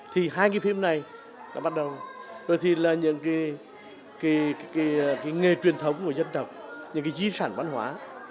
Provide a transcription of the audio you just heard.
thì hai cái phim này là những cái nghề truyền thống của dân độc những cái trí sản văn hóa